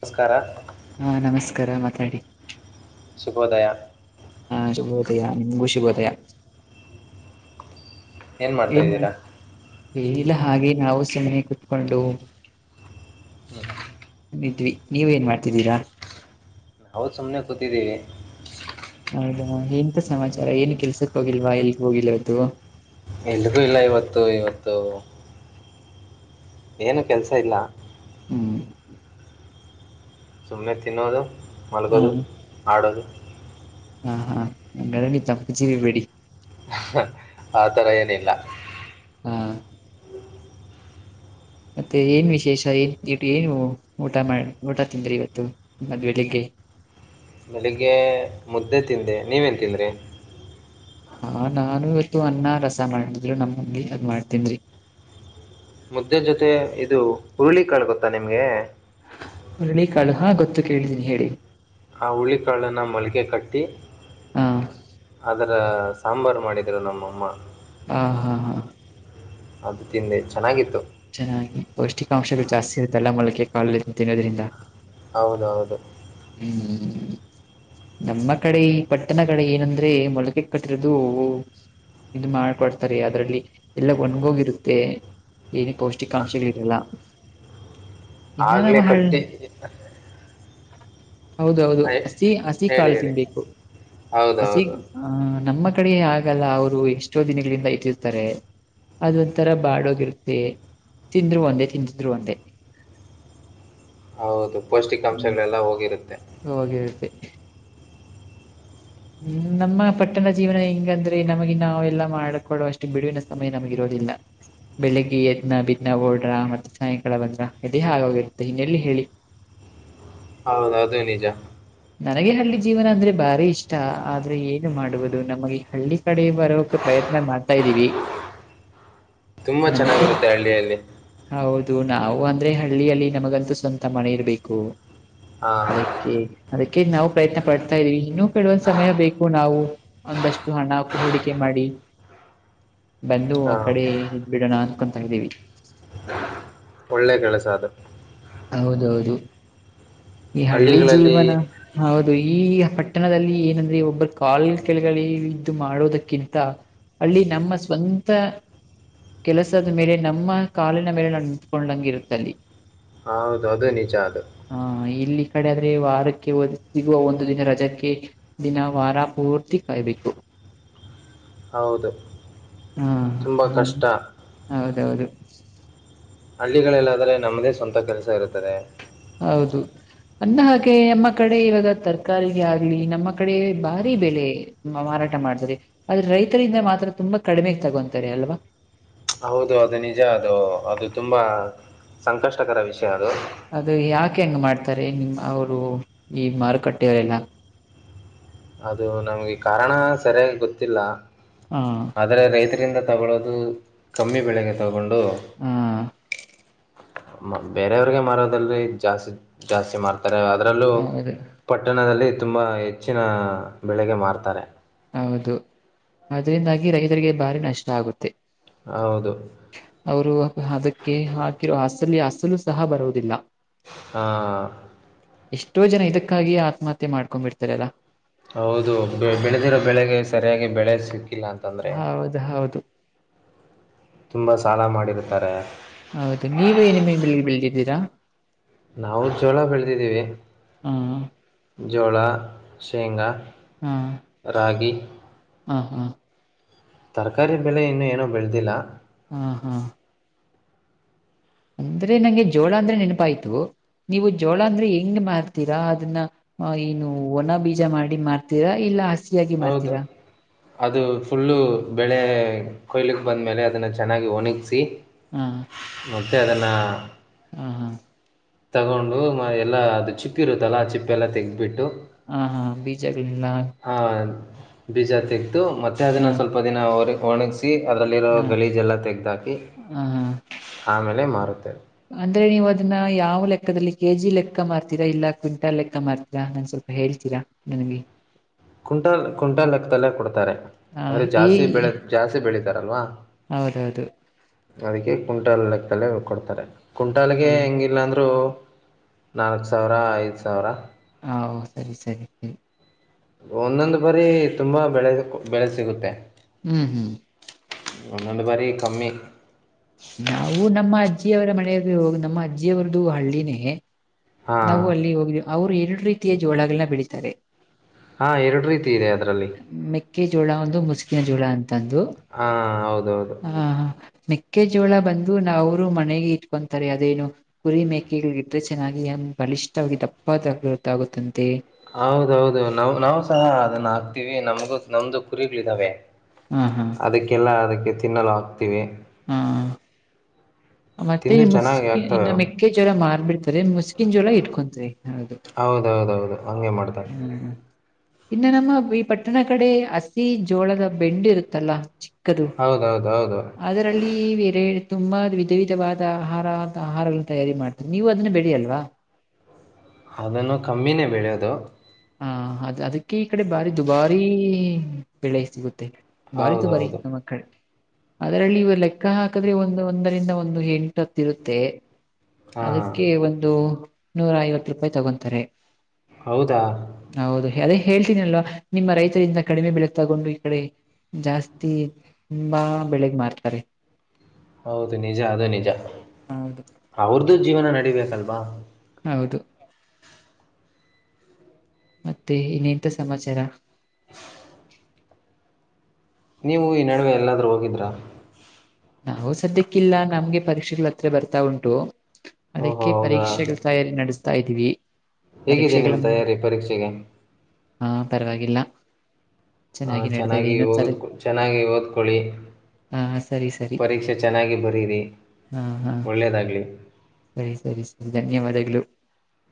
ನಮಸ್ಕಾರ ಹಾ, ನಮಸ್ಕಾರ ಮಾತಾಡಿ. ಸುಭೋದಯ. ಹಾ, ಶುಭೋದಯ ನಿಮ್ಗು ಶುಭೋದಯ. ಏನ್ ಮಾಡ್ತಾ ಇದೀರಾ ಇಲ್ಲ ಹಾಗೆ ನಾವು ಸುಮ್ಮನೆ ಕುತ್ಕೊಂಡು. ಹ್ಮ [unintelligible] ಈದ್ವಿ ನೀವ ಏನ್ ಮಾಡ್ತಿದ್ದೀರಾ. ನಾವು ಸುಮ್ಮನೆ ಕೂತಿದ್ದೀವಿ. ಹೌದಾ, ಎಂತ ಸಮಾಚಾರ ಏನ್ ಕೆಲ್ಸಕ್ ಹೋಗಿಲ್ವಾ ಎಲ್ಲಿಗೆ ಹೋಗಿಲ್ವದು ಇವತ್ತು. ಎಲ್ಲಗೂಇಲ್ಲ ಇವತ್ತು- ಇವತ್ತು ಏನು ಕೆಲ್ಸ ಇಲ್ಲ. ಹ್ಮ್ ಸುಮ್ಮನೆ ತಿನ್ನೋದು, ಹಾ ಮಲಗೋದು, ಆಡೋದು. ಹಾ, ಹಾ ಅಂಗಂಗ ತಚಿರಿ [unintelligible] ಬೇಡಿ ಆತರ ಏನಿಲ್ಲ. ಹಾ [inaudible] ಮತ್ತೆ ಏನ್ ವಿಶೇಷ ಏನ್ ಇ ಏನ್ ಊಟ ಮಾಡ ಊಟ ತಿಂದ್ರಿ ಇವತ್ತು. ಮತಬೆಳಿಗ್ಗೆ ಬೆಳಿಗ್ಗೆ ಮುದ್ದೆ ತಿಂದೆ ನೀವೇನು ತಿಂದ್ರಿ. ಹಾ, ನಾನು ಇವತ್ತು ಅನ್ನ ರಸ ಮಾಡಿದ್ರು ನಮ್ಮತಂಗಿ ಅದ ಮಾಡತಿನರಿ. ಮುದ್ದೆ ಜೊತೆ ಇದು ಹುರುಳಿ ಕಾಳ ಗೊತ್ತಾ ನಿಮ್ಗೆ ಹುರುಳಿ ಕಾಳು ಹಾ, ಗೊತ್ತು ಕೇಳಿದೀನಿ ಹೇಳಿ- ಆ ಹುರುಳಿಕಾಳನ್ನ ಮೊಳಕೆಕಟ್ಟಿ ಹ್ಮ್, ಅದರ ಸಾಂಬಾರು ಮಾಡಿದರು ನಮ್ಮಅಮ್ಮ. ಹಾ, ಹಾ, ಹಾ ಅದು ತಿಂದೆ ಚೆನ್ನಾಗಿತ್ತು. ಚೆನ್ನಾಗಿ ಪೌಷ್ಟಿಕಾಂಶಗಳು ಜಾಸ್ತಿ ಇರುತ್ತೆಲ್ಲ ಮೊಳಕೆ ಕಾಳ ತಿನ್ನೋದ್ರಿಂದ. ಹೌದೌದು, ಹ್ಮ್ ನಮ್ಮ ಕಡೆ ಈ ಪಟ್ಟಣ ಕಡೆ ಏನಂದ್ರೆ ಮೊಳಕೆ ಕಟ್ಟಿರೋದು ಇದು ಮಾಡ್ಕೊಡ್ತಾರೆ ಅದ್ರಲ್ಲಿ ಎಲ್ಲ ಒಣಗೋಗಿರುತ್ತೆ. ಏನು ಪೌಷ್ಟಿಕಾಂಶಗಳೇ ಇರಲ್ಲಾ. ಆಗ್ಲೇ ಕಟ್ಟಿ ಹೌದೌದು, ಹೇ- ಹಸಿ -ಹಸಿ ಹೇಳಿ ಕಾಲು ಹೇಳಿ ತಿನ್ಬೇಕು ಹಸಿ ಹೌದೌದು ಆಹ ನಮ್ಮ ನಮ್ ಕಡೆ ಆಗಲ್ಲ ಅವ್ರು ಎಷ್ಟೋ ದಿನಗಳಿಂದ ಇಟ್ಟಿರ್ತಾರೆ. ಅದೊಂಥರ ಬಾಡೋಗಿ- ಏ ತಿಂದರು ಒಂದೇ ತಿಂದಿದ್ರು ಒಂದೇ. ಹೌದು, ಹ್ಮ್ ಪೌಷ್ಟಿಕಾಂಶಗಳೆಲ್ಲ ಹೋಗಿರುತ್ತೆ. ಹೋಗಿರುತ್ತೆ, [inaudible] ಹ್ಮ್, ನಮ್ಮ ಪಟ್ಟಣದ ಜೀವನ ಹೆಂಗಂದ್ರೆ ನಮಗೆ ನಾವೆ ಎಲ್ಲ ಮಾಡಕೊಡುವ ಅಷ್ಟು ಬಿಡುವಿನ ಸಮಯ ನಮಗಿರೋದಿಲ್ಲ. ಇಲ್ಲ [unintelligible] ಬೆಳಿಗ್ಗೆ ಯದ್ನ ಬಿದನ ಓಡ್ರ ಮತ್ತೆ ಸಾಯಂಕಾಲ ಬಂದ್ರ ಈದೇ ಹಾಗಾಗಿರುತ್ತೆ. ಇನ್ನೆಲ್ಲಿ ಹೇಳಿ- ಹೌದೌ ಹೌದು ನಿಜಾ ನನಗೆ ಹಳ್ಳಿ ಜೀವನ ಅಂದ್ರೆ ಬಾರಿ ಇಷ್ಟ ಆದ್ರೆ ಏನು ಮಾಡುವುದು ನಮಗೆ ಹಳ್ಳಿ ಕಡೆ ಬರೋಕೆ ಭಯಾ ಲ್ಲ ಮಾಡ್ತಾ ಇದ್ದೀವಿ ತುಂಬಾ ನಮಗೂ ಚೆನ್ನಾಗಿರುತ್ತೆ ಹಳ್ಳಿಯಲ್ಲಿ ಹೌದು ನಾವು ಅಂದ್ರೆ ಹಳ್ಳಿಯಲ್ಲಿ ನಮಗಂತೂ ಸ್ವಂತ ಮಳೆ ಇರ್ಬೇಕು ಹಾ ಅದಕ್ಕೆ ಅದಕ್ಕೆ ನಾವು ಪ್ರಯತ್ನ ಪಡ್ತಾ ಇದೀವಿ ಇನ್ನೂ ಕೆಡುವಂದ ಸಮಯ ಬೇಕು ನಾವು ಒಂದಷ್ಟು ಹಣ ಹೂಡಿಕೆ ಮಾಡಿ ಹಾ ಬಂದು ಆ ಕಡೆ ಇದ ಬಿಡೋಣ ಅನ್ಕೊತಾ ಇದ್ದೀವಿ ಒಳ್ಳೆ ಕೆಳಸ ಅದು ಹೌದೌದು ಈ ಹಳ್ಳಿ ಹಳ್ಳಿಗಳಲ್ಲಿ ಜೀವನ ಹೌದು ಈ ಪಟ್ಟಣದಲ್ಲಿ ಏನಂದ್ರೆ ಒಬ್ಬರು ಕಾಲ್ ಕೆಳಗಳಿ ಇದು ಮಾಡೋದಕ್ಕಿಂತ ಅಲ್ಲಿ ನಮ್ಮ ಸ್ವಂತ ಕೆಲಸದ ಮೇಲೆ ನಮ್ಮ ಕಾಲಿನ ಮೇಲೆ ನ ನಿಂತ್ಕೊಂಡಂಗಿರುತ್ತಲ್ಲಿ ಹೌದು ಅದು ನಿಜ ಅದು ಕಡೆದ್ರೆ ವಾರಕ್ಕೆದ ಸಿಗುವ ಒಂದು ದಿನ ರಜಕ್ಕೆ ದಿನ ವಾರ ಪೂರ್ತಿ ಕಾಯ್ಬೇಕು ಹ ಹಾ ತುಂಬಾ ಕಷ್ಟ ಹೌದೌದು [unintelligible] ಹಳ್ಳಿಗಳಲ್ಲಾದ್ರೆ ನಮ್ದೇ ಸ್ವಂತ ಕೆಲಸ ಇರುತ್ತದೆ ಹೌದು ಅನ್ನ ಹಾಗೆ ನಮ್ಮ ಕಡೆ ಇವಾಗ ತರಕಾರಿಗೆ ಆಗ್ಲಿ ನಮ್ಮ ಕಡೆ ಬಾರಿ ಬೆಲೆ ಮಾರಾಟ ಮಾಡ್ತಾರೆ ಆದ್ರೆ ರೈತರಿಂದ ಮಾತ್ರ ತುಂಬಾ ಕಡಿಮೆ ತಗೊತಾರೆ ಅಲ್ವಾ ಹೌದು ಅದು ನಿಜ ಅದು ಅದು ತುಂಬಾ ಸಂಕಷ್ಟಕರ ವಿಷಯ ಅದು ಅದು ಯಾಕೆ ಹೆಂಗ ಮಾಡ್ತಾರೆ ನಿಮ ಅವರು ಈ ಮಾರುಕಟ್ಟೆಯವರೆಲ್ಲ ಅದು ನಮ್ಗೆ ಕಾರಣ ಸರಿಯಾಗಿ ಗೊತ್ತಿಲ್ಲ ಹಾ ಆದ್ರೆ ರೈತ ತಗೊಳ್ಳೋದು ಕಮ್ಮಿ ಬೆಳೆಗೆ ತಗೊಂಡು ಹಾ ಬೇರೆಯವ್ರಿಗೆ ಮಾರೋದಲ್ಜಾಸ್ತಿ ಜಾಸ್ತಿ ಮಾರ್ತ ಅದರಲ್ಲೂ ಹೌದು ಪಟ್ಟಣದಲ್ಲಿ ತುಂಬಾ ಹೆಚ್ಚಿನ ಬೆಳೆಗೆ ಮಾರ್ತಾರೆ ಹೌದು ಅದರಿಂದಾಗಿ ರೈತರಿಗೆ ಭಾರಿ ನಷ್ಟ ಆಗುತ್ತೆ ಹೌದು ಅವರು ಅದಕ್ಕೆ ಹಾಕಿರ ಹಸಲಿ ಹಸ್ತಿ ಸಹ ಬರುವುದಿಲ್ಲ ಆ, ಎಷ್ಟೋ ಜನ ಇದಕ್ಕಾಗಿಯೇ ಆತ್ಮಹತ್ಯ ಮಾಡ್ಕೊಂಡ್ಂಬಿರ್ತಾರಲ್ಲಾ ಹೌದು ಬೆ ಬೆಳೆದಿರೋ ಬೆಳೆಗೆ ಸರಿಯಾಗಿ ಬೆಳೆ ಸಿ ಹೌದು ಹೌದು ತುಂಬಾ ಸಾಲ ಮಾಡಿರ್ತಾರೆ ಹೌದು ನೀವೇ ನಿಮ ಬೆಳಗ್ ಬೆಳದ್ದೀರಾ ನಾವು ಜೋಳ ಬೆಳೆದಿದ್ದೀವಿ ಹಾ ಜೋಳ ಶೇಂಗಾ ಹಾ ರಾಗಿ ಹಾ ಹಾ ತರಕಾರಿ ಬೆಲೆ ಇನ್ನುೂ ಏನೋ ಬೆಳೆದಿಲ್ಲ ಹ ಹಾ ಅಂದ್ರೆ ನಂಗೆ ಜೋಳ ಅಂದ್ರೆ ನೆನಪಾಯ್ತು ನೀವು ಜೋಳ ಅಂದ್ರೆ ಹೆಂಗ ತೀರಾ ಅದನ್ನ ಏನು ಒನ ಬೀಜ ಮಾಡಿ ಮ್ತೀರಾ ಇಲ್ಲ ಹಸಿಯಾಗಿ ಹೌದು ಮಾರ್ತೀರಾ ಅದು ಫುಲ್ಲು ಬೆಳೆ ಕೊಯ್ಲಕ್ಕೆ ಬಂದಮೇಲೆ ಅದನ್ನು ಚೆನ್ನಾಗಿ ಒಣಗಿಸಿ ಹಾ ಮತ್ತು ಅದನ್ನು ಹಾ ಹಾ ತಗೊಂಡು ಮ ಎಲ್ಲಾ ಅದು ಚಿಪ್ಪ ಇರುತ್ತಲ್ಲಾ ಆ ಚಿಪ್ಪ ಎಲ್ಲಾ ತೆಗಬಿಟ್ಟು ಹಾ ಹಾ ಬಿಜಿಲ್ಲ ಬೀಜ ತಗ್ತು ಮತ್ತೆ ಹಾ ಅದನ್ನ ಸ್ವಲ್ಪ ದಿನ ಒಣಗ ಹಾ ಅದಲ್ಲ ತಾಕಿ ಹ ಹಾ ಆ ಅಂದ್ರೆ ನೀವು ಅದನ್ನ ಯಾವ ಲೆಕ್ಕ ಲೆಕ್ಕದಲ್ಲಿ ಕೆಜಿ ಲೆಕ್ಕ ಮ್ತೀರಾ ಇಲ್ಲ ಕ್ವಿಂಟಾಲ್ ಲೆಕ್ಕ ಮ್ತೀರಾ ನಾನನ್ ಸ್ವಲ್ಪ ಹೇಳ್ತೀರಾ ನನಗೆ ಕುಂಟಾಲ್ ಕುಂಟಾಲ್ ಲೆಕ್ಕದಲ್ಲ ಕೊಡ್ತಾರೆ ಆದಂದ್ರರೆ ಹ ಏ ಜಾಸ್ತಿ ಬೆಳೆ ಜಾಸ್ತಿ ಬೆಳೀಿತಾರಲ್ವಾ ಹೌದೌದು ಅದಕ್ಕೆ ಕುಂಟಾಲ್ ಲೆಕ್ಕಲೆ ಕೊಡ್ತಾರೆ ಕುಂಟಾಲ್ಗೆ ಹೆಂಗಿಲ್ಲಾಂದ್ರರು ನಾಲ್ಕ್ ಸಾವಿರ ಐದು ಸಾವಿರ ಹಾ ಸರಿ ಸರಿ ಸರಿ ಒಂದೊಂದು ಬಾರಿ ತುಂಬಾ ಬೆಳೆ ಬೆಳೆ ಸಿಗುತ್ತೆ ಹ್ಮ್ ಹ್ಮ್ ಒನ್ನಂದು ಬಾರಿ ಕಮ್ಮಿ ನಾವು ನಮ್ಮ ಅಜ್ಜಿಯವರ ಮಳೆಯಲ್ಲಿ ಹೋಗ ನಮ್ಮ ಅಜ್ಜಿಯ ಅವರದ್ದು ಹಳ್ಳಿನೇ ಹಾಂ ನಾವು ಅಲ್ಲಿ ಹೋಗ್ ಅವ್ರು ಎರಡು ರೀತಿಯ ಜೋಳಗಳನ್ನ ಬೆಳೀತಾರೆ ಹಾಂ ಎರಡು ರೀತಿ ಇದೆ ಅದರಲ್ಲಿ ಮೆಕ್ಕೆಜೋಳ ಒಂದು ಮುಸಕಿನ ಜೋಳ ಅಂತಂದು ಹಾ ಹೌದೌದು ಹಾ ಹಾ ನಿ ಜೋಳ ಬಂದು ನಾ ಅವರು ಮನೆಗೆ ಇಟ್ಕೊಂತಾರೆ ಅದೇನು ಕುರಿ ಮೇಕೆಗಳ ಇಟ್ಟ್ರೆ ಚೆನ್ನಾಗಿ ಬಲಿಷ ಇಷ್ಟವಾಗಿ ತಪ್ಪದ ಗೊತ್ತಾಗುತ್ತಂತೆ ಹೌದೌದು ನಾವ ನಾವು ಸಹ ಅದನ್ನ ಹಾಕ್ತಿೀವಿ ನಮಗೂ ನಮ್ದು ಕುರಿಗಳಿದಾವೆ ಹ ಹಾ ಅದಕ್ಕೆಲ್ಲ ಅದಕ್ಕೆ ತಿನ್ನಲು ಹಾಕ್ತಿವಿ ಹ್ಮ ಮತ್ತೆ ತಿಂದು ಚೆನ್ನಾಗಿ ಮುಸ್ಕಿ ಆಗ್ತವೆ ಇನ್ನ ಅವು ಮೆಕ್ಕೆ ಜ್ವರ ಮಾರ್ಬಿಡ್ ಸರಿ ಮುಸ್ಕಿನ್ ಜೋಳ ಇಟ್ಕೊಂತರಿ ಹದು ಹಂಮಾಡ್ತಾರೆ ಇನ್ನು ನಮ್ಮ ಈ ಪಟ್ಟಣ ಕಡೆ ಹಸಿ ಜೋಳದ ಬೆಂಡ ಇರುತ್ತಲ್ಲ ದು ಹೌದೌದೌದು ಅದರಲ್ಲಿ ಬೇರೆ ತುಂಬಾ ವಿಧ ವಿಧವಾದ ಆಹಾರ ಆಹಾರಗಳ ತಯಾರಿ ಮಾಡ್ತರಿ ನೀವು ಅದನ್ನ ಬೆಡಿ ಅಲ್ವಾ ಅದನ್ನು ಕಮ್ಮಿನೇ ಬೆಳೆಯೋದು ಹ ಅದ ಅದಕ್ಕೆ ಈ ಕಡೆ ಬಾರಿ ದುಬಾರಿ ಬೆಳೆ ಸಿಗುತ್ತೆ ಬಾರತು ಬಾರಿ ಹೌದೌದು ನಮ್ಮ ಮಕ್ಕಳ ಅದರಲ್ಲಿ ಇವ ಲೆಕ್ಕ ಹಾಕಿದ್ರೆ ಒಂದು ಒಂದರಿಂದ ಒಂದು ಎಂಟು ಇರುತ್ತೆ ಹಾ ಅದಕ್ಕೆ ಒಂದು ನೂರ ಐವತ್ತು ರೂಪಾಯಿ ತಗೊತಾರೆ ಹೌದಾ ಹೌದು ಅದೇ ಹೇಳ್ತೀನಿ ಅಲ್ವಾ ನಿಮ್ಮ ರೈತರಿಂದ ಕಡಿಮೆ ಬೆಳೆ ತಗೊಂಡು ಈ ಕಡೆ ಜಾಸ್ತಿ ತುಂಬಾ ಬೆಳಿಗ್ ಮಾರ್ತಾರೆ ಹೌದು ನಿಜ ಅದು ನಿಜ ಹೌದು ಅವ್ರ್ ಜೀವನ ನಡಿಬೇಕಲ್ವಾ ಹೌದು ಮತ್ತೆ ಇನ್ನಂತ ಸಮಾಚಾರ ನೀವು ಈ ನಡುವೆ ಎಲ್ಲಾದ್ರೂ ಹೋಗಿದ್ರಾ ನಾವು ಸದ್ಯಕ್ಕಿಲ್ಲ ನಮ್ಗೆ ಪರೀಕ್ಷೆಗಳು ಹತ್ರ ಬರ್ತಾ ಉಂಟು ಓಹೋ ಅದಕ್ಕೆ ಹೌದಾ ಪರೀಕ್ಷೆಗಳ ತಯಾರಿ ನಡೆಸ್ತಾ ಇದ್ದೀವಿ ಹೇಗಿದೆ ಪರೀಕ್ಷೆಗಳ ನಿಮ್ಮ ಮು- ತಯಾರಿ ಪರೀಕ್ಷೆಗೆ ಹಾ ಪರವಾಗಿಲ್ಲ ಹ ನಡೀತಾ ಇದೆ ಚೆನ್ನಾಗಿ ಇನ್ನೊಂದ್ ಸರಿ ಹೋಗದ್ ಚೆನ್ನಾಗಿ ಓದ್ಕೊಳ್ಳಿ ಹಾ ಸರಿ ಸರಿ ಪರೀಕ್ಷೆ ಚೆನ್ನಾಗಿ ಬರೀರಿ ಹಾ ಹಾ ಒಳ್ಳೇದಾಗ್ಲಿ ಸರಿ ಸರಿ ಸರಿ ಧನ್ಯವಾದಗಳು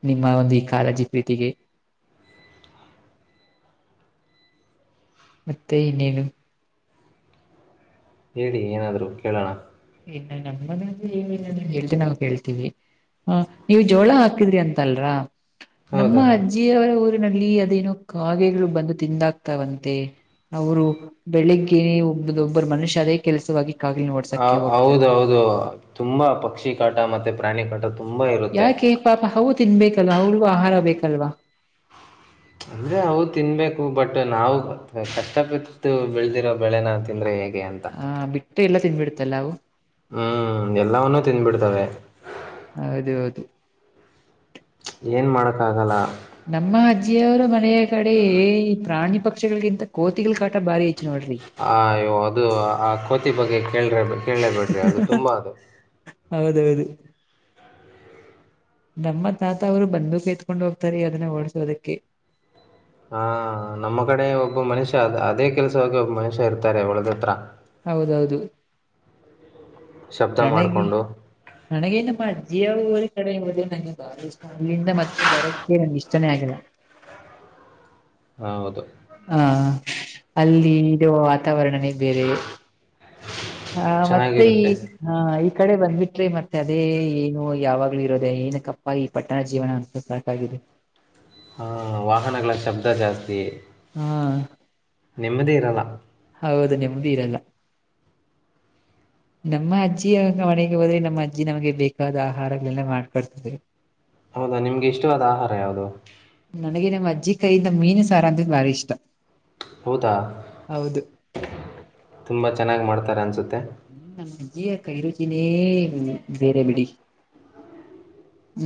ನಿಮ್ಮ ಒಂದು ಈ ಕಾಳಜಿ ಪ್ರೀತಿಗೆ ಹಾ ಮತ್ತೆ ಇನ್ನೇನು ಹೇಳಿ ಏನಾದ್ರು ಕೇಳೋಣ ಇನ್ನ ನಮ್ಮ್ ಮನೆಯಲ್ಲಿ ಏನಿಲ್ಲ ಹೇ್ದೆ ನಾವು ಕೇಳ್ತೀವಿ ಹ ನೀವ ಜೋಳ ಹಾಕಿದ್ರಿ ಅಂತಲ್ರ ನಮ್ಮ ಹೌದು ಅಜ್ಜಿಯವರ ಊರಿನಲ್ಲಿ ಅದೇನೋ ಕಾಗೆಗಳು ಬಂದು ತಿಂದಾಕ್ತ ತಂತೆ ಅವರು ಬೆಳಿಗ್ಗೆ ಒಬ್ಬ ಒಬ್ಬರ ಮನುಷ್ಯ ಅದೇ ಕೆಲಸಕ್ಕಲಿ ನೋ ಹ ಹೌದೌದು ತುಂಬಾ ಪಕ್ಷಿ ಕಾಟ ಮತ್ತೆ ಪ್ರಾಣಿ ಕಾಟ ತುಂಬ ಇರುತ್ತೆ ಯಾಕೆ ಪಾಪ ಹವು ತಿನ್ಬೇಕಲ್ವಾ ಅವಳಿಗೂ ಆಹಾರ ಬೇಕಲ್ವಾ ಅಂದ್ರೆ ಅವು ತಿನ್ಬೇಕು ಬಟ್ ನಾವು ಕಷ್ಟಪಟ್ಟು ಬೆಳದಿರೋ ಬೆಳೆನ ತಿಂದ್ರೆ ಹೇಗೆ ಅಂತ ಆ ಬಿಟ್ಟು ಎಲ್ಲ ತಿನ್ಬಿಡುತ್ತಲ್ಲ ಅವು ಹ್ಮ್ ಎಲ್ಲವವನ್ನುೂ ತಿನ್ಬಿಡ್ತಾವವೆ ಹೌದು ಹೌದು ಏನ್ ಮಾಡಕ್ಕ ಆಗಲ್ಲ. ನಮ್ಮ ಅಜ್ಜಿಯವರ ಮನೆಯ ಕಡೆಯೇ ಈ ಪ್ರಾಣಿ ಪಕ್ಷಿಗಳಿಗಿಂತ ಕೋತಿಗಳಗಳು ಕಾಟ ಬಾರಿ. ಹೆಚ್ಚು ನೋಡ್ರಿ ಅಯ್ಯೋ, ಅದು ಆ ಕೋತಿ ಬಗ್ಗೆ ಕೇಳ್ರೆ ಕೇಳಲೇಬೇಡ್ರಿ, ಅದು ತುಂಬಾ ಅದು. ಹೌದೌದು ನಮ್ಮ ತಾತ ಅವರು ಬಂದೂಕು ಎತ್ಕೊಂಡ್ ಹೋಗ್ತಾರೆ, ಅದನ್ನ ಓಡಸೋದಕ್ಕೆ. ಹಾ ನಮ್ಮ ಕಡೆ ಒಬ್ಬ ಮನುಷ್ಯ ಅದೇ, ಕೆಲ್ಸ ಹ ಒಬ್ಬ ಮನುಷ್ಯ ಇರ್ತಾರೆ ಒಳದ ಹತ್ರ. ಹೌದೌದು. ಶಬ್ದ ನನಗಿ ಮಾಡಿಕೊಂಡು ನನಗೆ ನಮ್ಮ ಅಜ್ಜಿಯ ಊರು. ಕಡೆ ನಂಗೆ ಬಹಳಷ್ಟ. ಅಲ್ಲಿಂದ ಮತ್ತೆ ಬರಕ್ಕೆ, ನಂಗೆ ಇಷ್ಟನೇ ಆಗಲ್ಲ. ಹೌದು. ಹಾ, ಅಲ್ಲಿ ಇರುವ ವಾತಾವರಣನೇ ಬೇರೆ. ಹಾ! ಮತ್ತೆ ಈ ಚೆನ್ನಾಗಿರುತ್ತೆ ಹ. ಈ ಕಡೆ ಬಂದ್ಬಿಟ್ರೆ, ಮತ್ತೆ ಅದೇ ಏನು ಯಾವಾಗ್ಲೂ ಇರೋದೆ, ಏನ ಕಪ್ಪ ಈ ಪಟ್ಟಣ ಜೀವನ ಅನ್ಸೋ ಸಾಕಾಗಿದೆ. ಹಾ, ಹಾ ವಾಹನಗಳ ಶಬ್ದ ಜಾಸ್ತಿ. ಹಾ ನೆಮ್ಮದಿ ಇರಲ್ಲ. ಹೌದು ನೆಮ್ಮದಿ ಇರಲ್ಲ. ನಮ್ಮ ಅಜ್ಜಿಂಗ ಮನೆಗೆ ಹೋದ್ರೆ, ನಮ್ಮ ಅಜ್ಜಿ ನಮ್ಗೆ ಬೇಕಾದ ಆಹಾರಗಳೆಲ್ಲ ಮಾಡ್ಕೊಡ್ತದೆ. ಹೌದಾ ನಿಮಗೆ ಇಷ್ಟವಾದ ಆಹಾರ ಯಾವುದು ನನಗೆ ನಮ್ಮ ಅಜ್ಜಿ ಕೈಯಿಂದ ಮೀನು ಸಾರ ಅಂದ್ರೆ ಬಾರಿ ಇಷ್ಟ. ಹೌದಾ ಹೌದು ತುಂಬಾ ಚೆನ್ನಾಗಿ ಮಾಡ್ತಾರೆ ಅನ್ಸುತ್ತೆ. ನಮ್ ಅಜ್ಜಿಯ ಕೈ ರುಚಿನೇ ಬೇರೆ ಬಿಡಿ.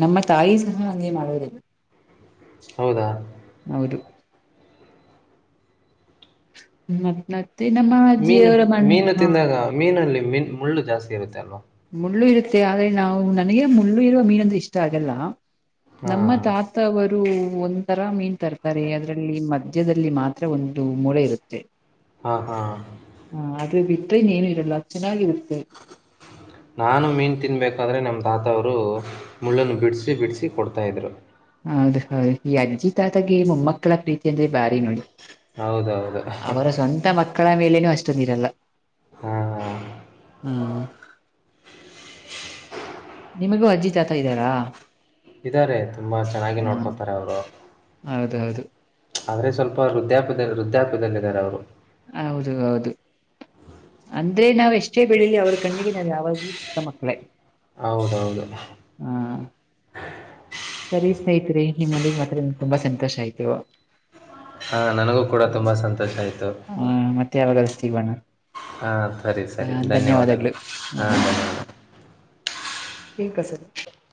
ನಮ್ಮ ತಾಯಿ ಸಹ ಹಂಗೆ ಮಾಡೋದು. ಹೌದಾ! ! ಹೌದು ಮತ್ತ ನಮ್ ಅತ್ತೆ ನಮ್ಮ ಮೀನು ಅಜಿಯವರ ಮ್ಣಿ ಹಾ ತಿಂದಾಗ ಮೀನಲ್ಲಿ ಮೀನು ಮುಳ್ಳು ಜಾಸ್ತಿ ಇರುತ್ತೆ ಅಲ್ವಾ. ಮುಳ್ಳು ಇರುತ್ತೆ, ಆದ್ರೆ ನಾವು ನನಗೆ ಮುಳ್ಳು ಇರುವ ಮೀನು ಅಂದ್ರೆ ಆಗಲ್ಲ. ನಮ್ಮ ಹಾಂ ತಾತವರು. ರು ಒಂಥರ ಮೀನ್ ತರ್ತಾರೆ, ಅದರಲ್ಲಿ ಮಧ್ಯದಲ್ಲಿ ಮಾತ್ರ ಒಂದು ಮೂಳೆ ಇರುತ್ತೆ. ಹಾ, ಹಾ! ! ಏನ್ ಏನೂ ಇರಲ್ಲ ಚೆನ್ನಾಗಿರುತ್ತೆ. ನಾನು ಮೀನ್ ತಿನ್ನಬೇಕಾದ್ರೆ ನಮ್ ತಾತವರು ಮುಳ್ಳನ್ನು ಬಿಡ್ಸಿ, ಬಿಡಸಿ ಕೊಡ್ತಾ ಇದ್ರು. ಹೌದು, ಹೌದು ಈ ಅಜ್ಜಿ ತಾತಗೆ ಮೊಮ್ಮಕ್ಕಳ ಪ್ರೀತಿ, ಅಂದ್ರೆ ಬಾರಿ ನೋಡಿ. ಹೌದೌದು ಅಹಂ. ಅವರ ಸ್ವಂತ ಮಕ್ಕಳ ಮೇಲೆನು ಅಷ್ಟೊಂದು ಇರಲ್ಲ. ಹಾಂ ಹ್ಮ್ ನಿಮಗೂ ಅಜ್ಜಿ ತಾತ ಇದ್ದಾರಾ? ಇದಾರೆ ತುಂಬಾ ಚೆನ್ನಾಗಿ, ಹ ನೋಡ್ಕೋತಾರೆ ಅವರು. ಹೌದೌದು ಹೌದು ಆದ್ರೆ ಸ್ವಲ್ಪ ವೃದ್ಯಾಪದ, ವೃದ್ಧ್ಯಾಪದಲ್ಲಿ ಇದ್ದಾರೆ ಅವರು. ಹೌದು, ಹೌದು. ಅಂದ್ರೆ ನಾವ್ ಎಷ್ಟೇ ಬೆಳಿಲಿ, ಅವ್ರ ಕಣ್ಣಿಗೆ ನಾವ್ ಯಾವಾಗ್ಲೂ ಚಿಕ್ಕ ಮಕ್ಳೇ. ಹೌದೌದು. ಹಾ ಸರಿ ಸ್ನೇಹಿತರೆ, ಮನೆಗ್ ಮಾತ್ರ ತುಂಬಾ ಸಂತೋಷ ಆಯ್ತು. ಹಾ, ನನಗೂ ಕೂಡ ತುಂಬಾ ಸಂತೋಷ ಆಯ್ತು. ಹಾ ಮತ್ತೆ ಯಾವಾಗಾದ್ರೂ ಸಿಗೋಣ ಹಾ! ಸರಿ, ಸರಿ ಧನ್ಯವಾದಗಳು. ಹಾ ಧನ್ಯವಾದ. ಈ ಕಸ. [unintelligible]